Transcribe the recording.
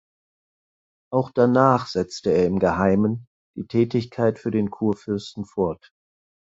Auch danach setzte er im Geheimen die Tätigkeit für den Kurfürsten fort.